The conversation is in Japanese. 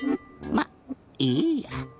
まっいいや。